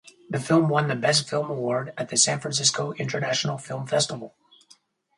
The film won the Best Film Award at the San Francisco International Film Festival.